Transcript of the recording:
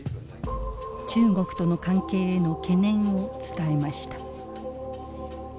中国との関係への懸念を伝えました。